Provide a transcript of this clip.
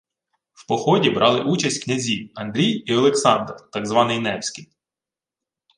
В поході брали участь князі Андрій і Олександр, так званий Невський